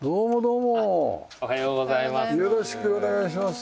よろしくお願いします。